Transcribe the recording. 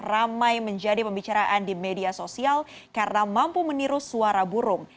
ramai menjadi pembicaraan di media sosial karena mampu meniru suara burung